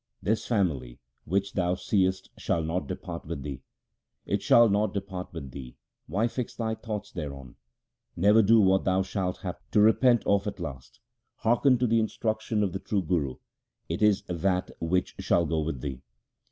This family which thou seest shall not depart with thee ; It shall not depart with thee ; why fix thy thoughts thereon ? Never do what thou shalt have to repent of at last. Hearken to the instruction of the true Guru ; it is that which shall go with thee.